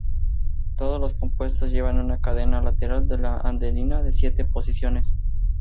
Todos los compuestos llevan una cadena lateral de la adenina de siete posiciones.